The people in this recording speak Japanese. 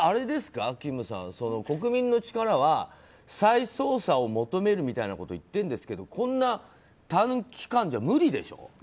金さん、国民の力は再捜査を求めるみたいなことを言っているんですけどこんな短期間じゃ無理でしょう。